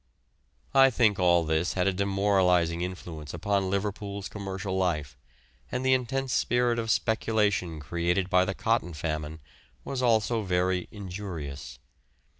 I think all this had a demoralising influence upon Liverpool's commercial life, and the intense spirit of speculation created by the cotton famine was also very injurious.